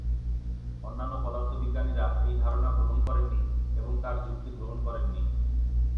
অন্যান্য পদার্থবিজ্ঞানীরা এই ধারণা গ্রহণ করেননি এবং তার যুক্তি গ্রহণ করেননি।